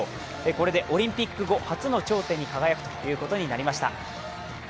これでオリンピック後初の頂点に輝くということになりました。